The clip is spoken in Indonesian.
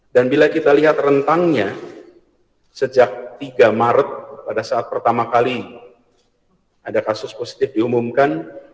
dan bila kita lihat rentangnya sejak tiga maret pada saat pertama kali ada kasus positif diumumkan